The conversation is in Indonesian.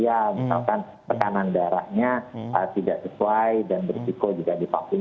misalkan perkanan darahnya tidak sesuai dan berhiku juga divaksin